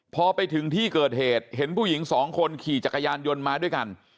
พอไปถึงที่เกิดเหตุเห็นผู้หญิงสองคนขี่จักรยานยนต์มาด้วยกัน